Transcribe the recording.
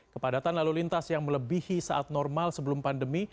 kepadatan lalu lintas yang melebihi saat normal sebelum pandemi